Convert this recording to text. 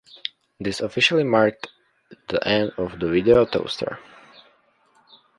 This officially marked the end of the Video Toaster.